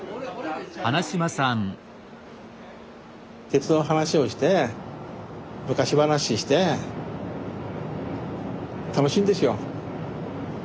鉄道の話をして昔話して楽しいんですよ。